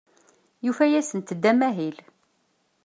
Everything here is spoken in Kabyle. Yufa-asent-d amahil.